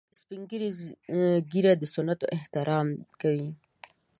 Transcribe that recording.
سپین ږیری د سنتونو احترام کوي